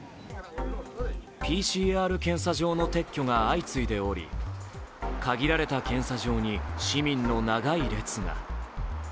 ＰＣＲ検査場の撤去が相次いでおり限られた検査場に市民の長い列が。